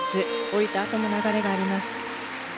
降りたあとも流れがあります。